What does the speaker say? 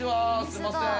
すいません。